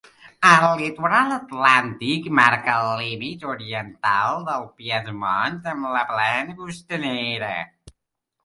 El litoral atlàntic marca el límit oriental del Piedmont amb la plana costanera.